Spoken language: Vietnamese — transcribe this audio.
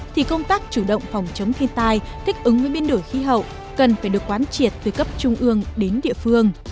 thì công tác chủ động phòng chống thiên tai thích ứng với biến đổi khí hậu cần phải được quán triệt từ cấp trung ương đến địa phương